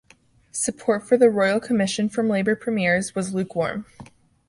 Support for the royal commission from Labor premiers was "lukewarm".